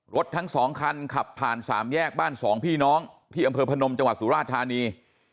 ทั้งสองคันขับผ่านสามแยกบ้านสองพี่น้องที่อำเภอพนมจังหวัดสุราธานี